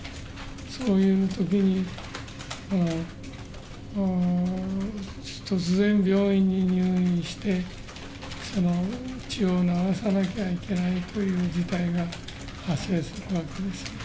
そういうときに、突然病院に入院して、血を流さなきゃいけないという事態が発生するわけですね。